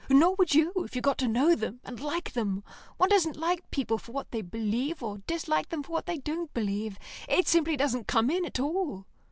Nor would you, if you got to know them and like them. One doesn't like people for what they believe, or dislike them for what they don't believe. It simply doesn't come in at all."